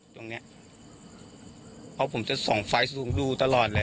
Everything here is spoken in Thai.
ตรงเนี้ยเพราะผมจะส่องไฟสูงดูตลอดเลย